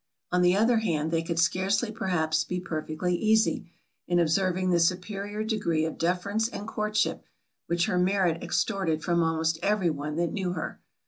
On the other hand, they could scarcely perhaps be perfectly easy, in observing the superior degree of deference and courtship, which her merit extorted from almost every one that knew her.